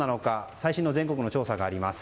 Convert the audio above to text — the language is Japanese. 最新の全国の調査があります。